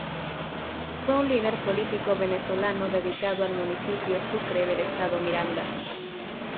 Fue un líder político venezolano dedicado al municipio Sucre del estado Miranda.